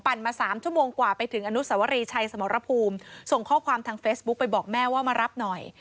มาสามชั่วโมงกว่าไปถึงอนุสวรีชัยสมรภูมิส่งข้อความทางเฟซบุ๊คไปบอกแม่ว่ามารับหน่อย